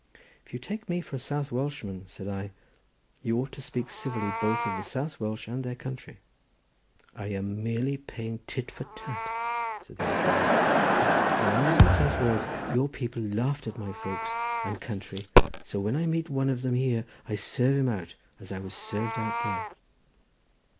"If you take me for a South Welshman," said I, "you ought to speak civilly both of the South Welsh and their country." "I am merely paying tit for tat," said the old fellow. "When I was in South Wales your people laughed at my folks and country, so when I meet one of them here I serve him out as I was served out there."